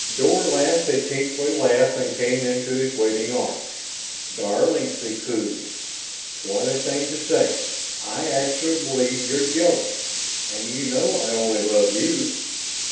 Dor laughed a tinkly laugh and came into his waiting arms. "Darling," she cooed. "What a thing to say. I actually believe you're jealous and you know I only love you."